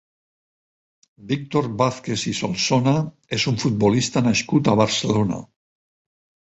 Víctor Vázquez i Solsona és un futbolista nascut a Barcelona.